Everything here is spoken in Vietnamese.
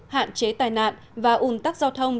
hạn chế tài nạn và un tắc giao thông